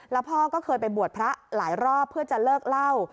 แล้วพ่อก็เคยไปบวชพระหลายรอบเพื่อจะเลิกเล่า